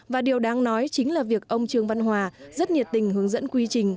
và điều đáng nói chính là việc ông trương văn hòa rất nhiệt tình hướng dẫn quy trình